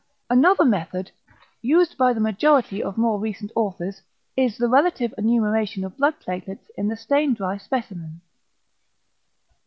Another method, used by the majority of more recent authors, is the relative enumeration of blood platelets in the stain dry specimen.